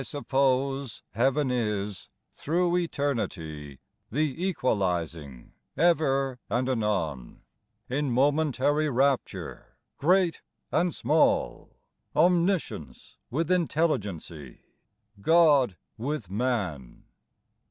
suppose Heaven is, through Eternity, The equalizing, ever and anon, Li momentary rapture, great and small, Omniscience with intelligency, God with man